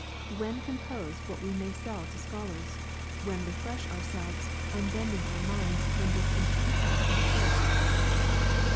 When compose what we may sell to scholars ? When refresh our selves, unbending our minds from this intenseness of care?